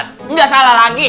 tidak salah lagi